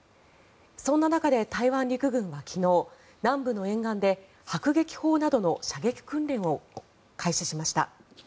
そんな中で台湾陸軍は昨日南部の沿岸で迫撃砲などの射撃訓練を開始しました。